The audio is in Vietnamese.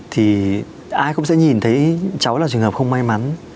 thì ai cũng sẽ nhìn thấy cháu là trường hợp không may mắn